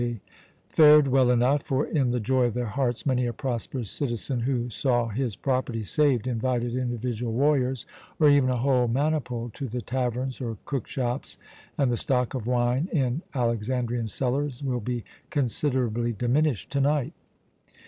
They fared well enough; for in the joy of their hearts many a prosperous citizen who saw his property saved invited individual warriors, or even a whole maniple, to the taverns or cook shops, and the stock of wine in Alexandrian cellars will be considerably diminished to night.